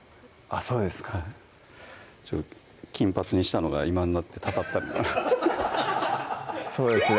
そうですかはい金髪にしたのが今になってたたったのかなとそうですね